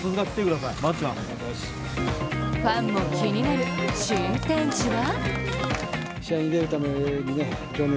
ファンも気になる新天地は？